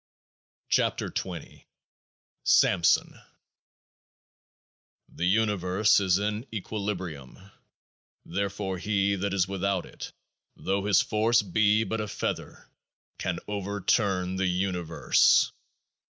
28 KEOAAH K SAMSON The Universe is in equilibrium ; therefore He that is without it, though his force be but a feather, can overturn the Universe.